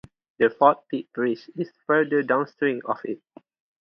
The Fort Pitt Bridge is further downstream of it.